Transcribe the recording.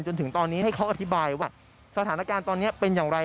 จนถึงตอนนี้ให้เขาอธิบายว่าสถานการณ์ตอนนี้เป็นอย่างไร